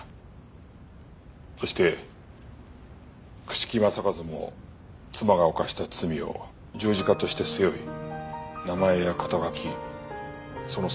そして朽木政一も妻が犯した罪を十字架として背負い名前や肩書その全てを捨てた。